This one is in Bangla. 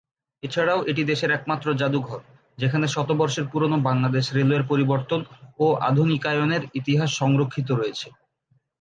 এছাড়াও এটি দেশের একমাত্র জাদুঘর, যেখানে শত বর্ষের পুরনো বাংলাদেশ রেলওয়ের পরিবর্তন ও আধুনিকায়নের ইতিহাস সংরক্ষিত রয়েছে।